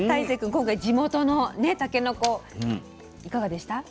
今回地元のたけのこいかがでした？